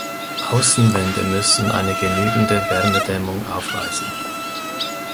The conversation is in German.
Außenwände müssen eine genügende Wärmedämmung aufweisen.